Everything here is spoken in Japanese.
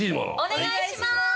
お願いします。